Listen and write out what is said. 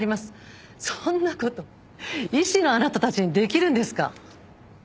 そんなこと医師のあなたたちにできるんですか？